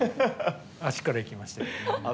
足からいきましたよ。